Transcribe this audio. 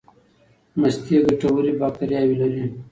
مستې ګټورې باکتریاوې لري.